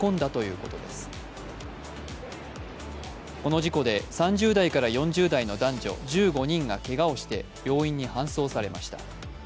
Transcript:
この事故で３０代から４０代の男女１５人がけがをして病院に搬送されました。